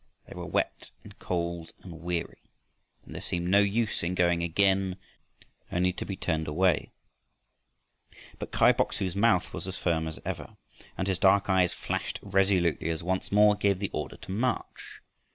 They were wet and cold and weary, and there seemed no use in going again and again to a village only to be turned away. But Kai Bok su's mouth was as firm as ever, and his dark eyes flashed resolutely, as once more he gave the order to march.